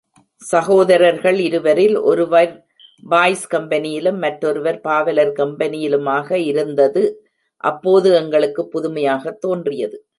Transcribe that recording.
சகோதரர்கள் இருவரில் ஒருவர் பாய்ஸ் கம்பெனியிலும், மற்றொருவர் பாவலர் கம்பெனியிலுமாக இருந்தது, அப்போது எங்களுக்குப் புதுமையாகத் தோன்றியது.